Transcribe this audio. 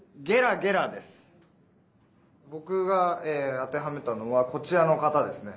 ぼくがあてはめたのはこちらのかたですね。